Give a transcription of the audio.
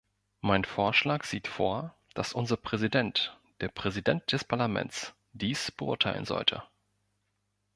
Mein Vorschlag sieht vor, dass unser Präsident, der Präsident des Parlaments dies beurteilen sollte.